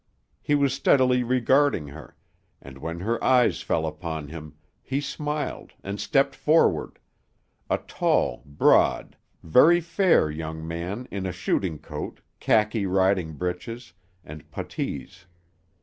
He was steadily regarding her, and when her eyes fell upon him, he smiled and stepped forward a tall, broad, very fair young man in a shooting coat, khaki riding breeches, and puttees.